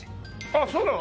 あっそうなの？